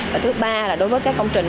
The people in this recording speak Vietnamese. và thứ ba là đối với các công trình